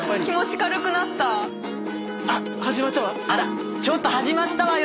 ちょっと始まったわよ！